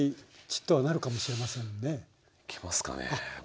いけますかね。